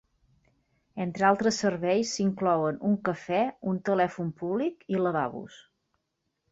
Entre altres serveis s'inclouen un cafè, un telèfon públic i lavabos.